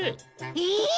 えっ！